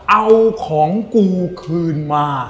เอาของกูคืนมา